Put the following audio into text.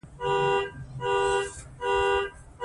اوبزین معدنونه د افغانستان د امنیت په اړه هم اغېز لري.